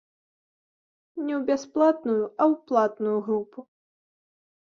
Не ў бясплатную, а ў платную групу.